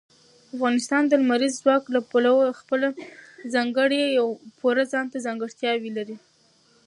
افغانستان د لمریز ځواک له پلوه خپله ځانګړې او پوره ځانته ځانګړتیاوې لري.